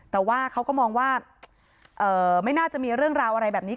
แต่ว่าเขาก็มองว่าไม่น่าจะมีเรื่องราวอะไรแบบนี้